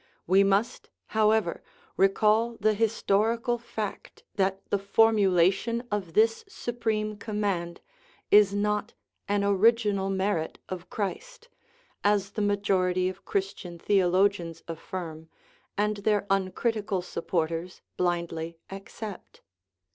We must, however, recall the historical fact that the formulation of this supreme command is not an original merit of Christ, as the majority of Christian theologians affirm and their uncritical supporters blindly accept.